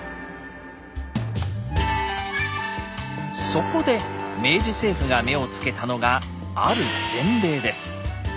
そこで明治政府が目をつけたのが「ある前例」です。